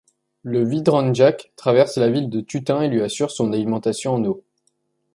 Le Vidrenjak traverse la ville de Tutin et lui assure son alimentation en eau.